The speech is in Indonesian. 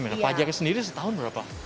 dua tiga m ya pajaknya sendiri setahun berapa